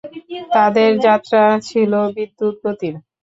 তাদের যাত্রা ছিল বিদ্যুৎগতির।